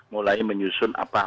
mulai menyusun apa